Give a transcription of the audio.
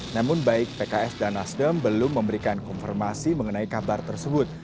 namun baik pks dan nasdem belum memberikan konfirmasi mengenai kabar tersebut